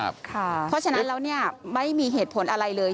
เพราะฉะนั้นแล้วไม่มีเหตุผลอะไรเลย